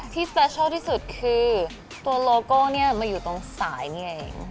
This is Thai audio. ที่จะชอบที่สุดคือตัวโลโก้เนี่ยมาอยู่ตรงสายนี่เอง